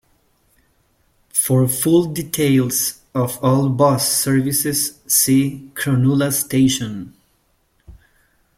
For full details of all bus services see Cronulla Station.